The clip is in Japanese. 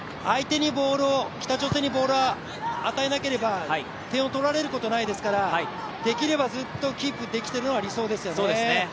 北朝鮮にボールを当てなければ点を取られることないですからできればずっとキープできているのが理想ですよね。